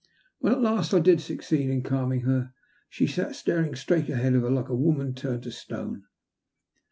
When at last I did succeed in calming her, she sat sturing straight ahead of her like a woman turned to stone.